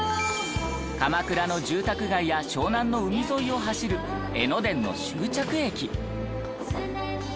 鎌倉の住宅街や湘南の海沿いを走る江ノ電の終着駅。